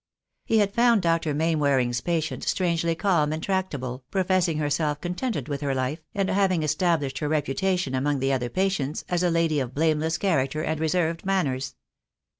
He had found Dr. Mainwaring's patient strangely calm and tractable, professing herself contented with her life, and having established her reputation among the other patients as a lady of blameless character and reserved manners.